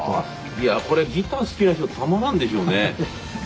いやこれギター好きな人たまらんでしょうね。